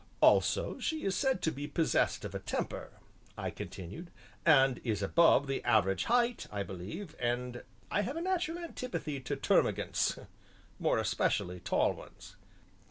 "Also she is said to be possessed of a temper," I continued, "and is above the average height, I believe, and I have a natural antipathy to termagants, more especially tall ones."